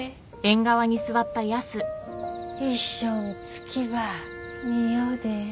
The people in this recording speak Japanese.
一緒ん月ば見よで。